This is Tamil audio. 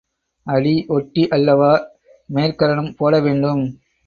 அடி ஒட்டி அல்லவா மேற்கரணம் போட வேண்டும்?